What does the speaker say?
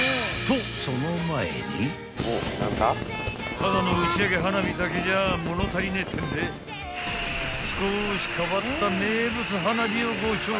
［ただの打ち上げ花火だけじゃ物足りねえってんで少し変わった］